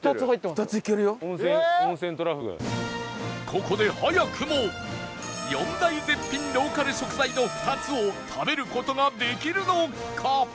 ここで早くも４大絶品ローカル食材の２つを食べる事ができるのか？